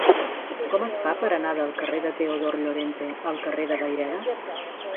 Com es fa per anar del carrer de Teodor Llorente al carrer de Vayreda?